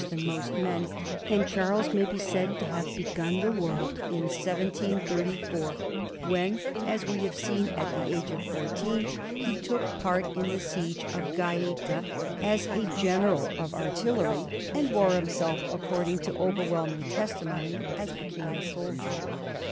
than most men, and Charles may be said to have begun the world in 1734, when, as we have seen, at the age of fourteen, he took part in the siege of Gaeta as a general of artillery, and bore himself, according to over whelming testimony, as became a soldier.